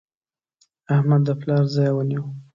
احمد د پلار ځای ونیو.